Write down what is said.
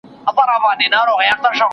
یو مي ته په یارانه کي شل مي نور نیولي دینه